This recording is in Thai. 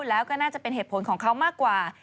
แล้วก็น่าจะเป็นเหตุผลของเขามากกว่า